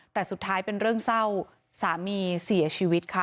แต่สุดท้ายเป็นเรื่องเศร้าสามีเสียชีวิตค่ะ